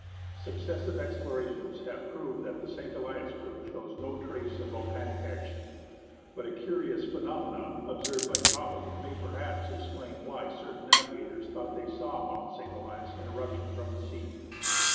Successive explorations have proved that the St. Elias group shows no trace of volcanic action. But a curious phenomenon observed by Top ham may perhaps explain why certain navigators thought they saw Mount St. Elias in eruption from the sea.